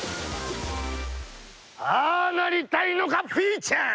ああなりたいのかピーちゃん！